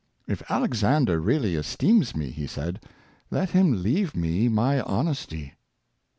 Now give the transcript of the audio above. " If Alexander really esteems me,'' he said, '' let him leave me my honesty.""